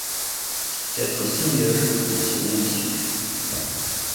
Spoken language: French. Quatre singles en seront issus.